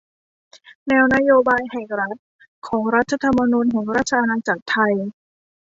แนวนโยบายแห่งรัฐของรัฐธรรมนูญแห่งราชอาณาจักรไทย